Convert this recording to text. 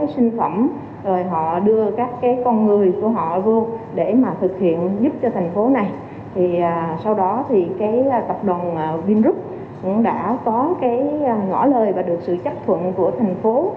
sau đó tập đoàn vinrub cũng đã có ngõ lời và được sự chấp thuận của thành phố